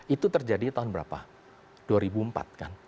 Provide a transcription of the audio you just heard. itu terjadi tahun berapa dua ribu empat kan